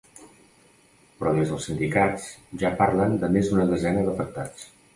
Però des dels sindicats, ja parlen de més d’una desena d’afectats.